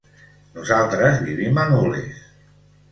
Nosaltres vivim a Nules.